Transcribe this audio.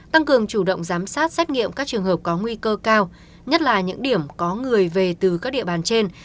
tăng cường chủ động giám sát xét nghiệm các trường hợp có nguy cơ cao nhất là những điểm có người về từ các địa bàn trên